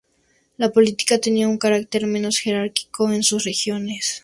La política tenía un carácter menos jerárquico en sus regiones.